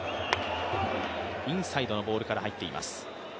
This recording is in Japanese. インサイドのボールから入っています。